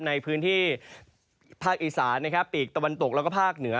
ในพื้นที่ภาคอีสานนะครับปีกตะวันตกแล้วก็ภาคเหนือ